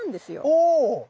ほう。